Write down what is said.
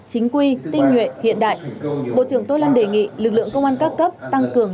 chính quy tinh nhuệ hiện đại bộ trưởng tô lâm đề nghị lực lượng công an các cấp tăng cường